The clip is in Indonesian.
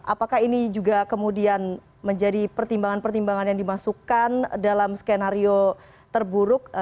apakah ini juga kemudian menjadi pertimbangan pertimbangan yang dimasukkan dalam skenario terburuk